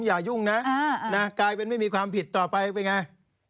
อย่ายุ่งนะกลายเป็นไม่มีความผิดต่อไปเป็นไง